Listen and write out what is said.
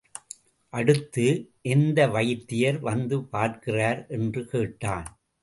அடுத்து, எந்த வைத்தியர் வந்து பார்க்கிறார்? என்று கேட்டான்.